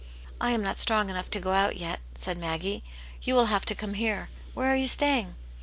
'*I am not strong enough to go out yet," said Maggie ;" you will have to come here. Where are you staying